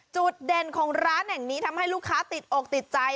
จุดเด่นของร้านแห่งนี้ทำให้ลูกค้าติดอกติดใจ